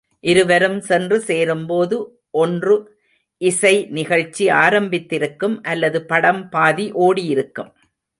இருவரும் சென்று சேரும்போது ஒன்று இசை நிகழ்ச்சி ஆரம்பித்திருக்கும் அல்லது படம் பாதி ஒடியிருக்கும்.